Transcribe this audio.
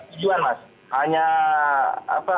jadi saya tidak melihat apa apa